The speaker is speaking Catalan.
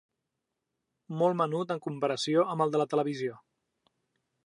Molt menut en comparació amb el de la televisió.